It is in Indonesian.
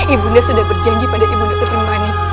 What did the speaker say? ibunda sudah berjanji pada ibunda keterima ini